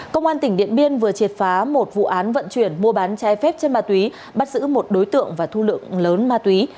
công an tỉnh điện biên vừa triệt phá một vụ án vận chuyển mua bán trái phép chân ma túy bắt giữ một đối tượng và thu lượng lớn ma túy